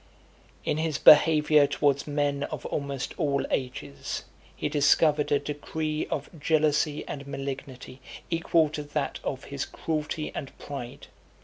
XXXIV. In his behaviour towards men of almost all ages, he discovered a degree of jealousy and malignity equal to that of his cruelty and pride.